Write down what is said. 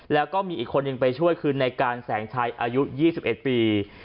แล้วก็มีอีกคนนึงไปช่วยคือในการแสงชัยอายุ๒๑ปี